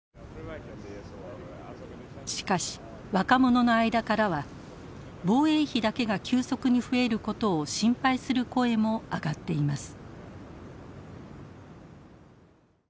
しかし若者の間からは防衛費だけが急速に増えることを心配する声も上がっています。